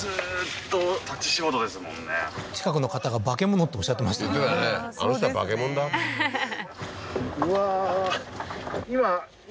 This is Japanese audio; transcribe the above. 近くの方が化け物っておっしゃってましたよね言ってたね